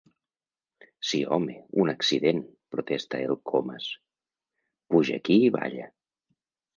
Sí home, un accident! —protesta el Comas— Puja aquí i balla.